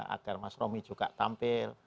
agar mas romi juga tampil